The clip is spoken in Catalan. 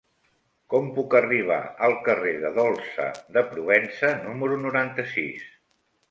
Com puc arribar al carrer de Dolça de Provença número noranta-sis?